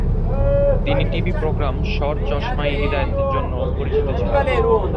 তিনি TV programme Sar Chashma e Hidayat জন্যও পরিচিত ছিলেন।